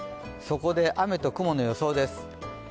そこで雨と雲の予想です。